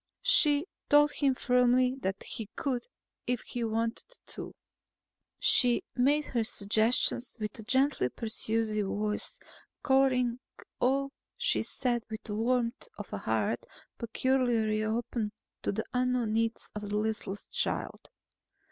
She told him firmly that he could, if he wanted to. She made her suggestions with gently persuasive voice, coloring all she said with the warmth of a heart peculiarly open to the unknown needs of the listless child.